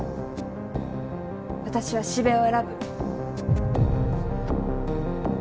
私は四部を選ぶ。